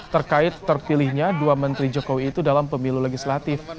terkait terpilihnya dua menteri jokowi itu dalam pemilu legislatif